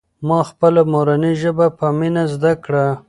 ما خپله مورنۍ ژبه په مینه زده کړه.